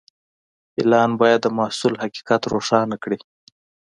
اعلان باید د محصول حقیقت روښانه کړي.